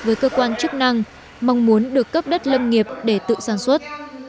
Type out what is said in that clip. với cơ quan chức năng mong muốn được cấp đất lâm nghiệp để tự sản xuất